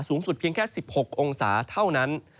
สูงสุดเพียงแค่๑๖องศาเท่านั้น